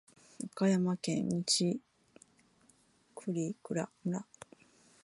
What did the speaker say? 岡山県西粟倉村